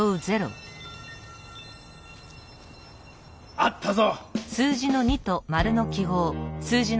あったぞ！